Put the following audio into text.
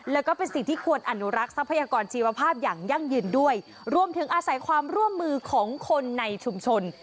แล้วก็เป็นสิ่งที่ควรอนุรักษ์ทรัพยากรชีวภาพอย่างยั่งยืนด้วยรวมถึงอาศัยความร่วมมือของคนในชุมชน